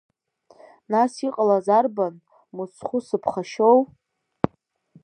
Нас иҟалаз арбан, мыцхәы сыԥхашьоу?